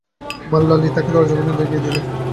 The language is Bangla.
মারলা লি তাঁকে দরজা পর্যন্ত এগিয়ে দিলেন।